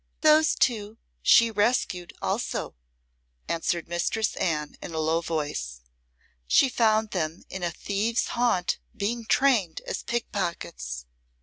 "Those two she rescued also," answered Mistress Anne in a low voice. "She found them in a thieves' haunt being trained as pickpockets.